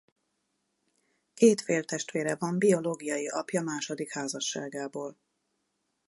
Két féltestvére van biológiai apja második házasságából.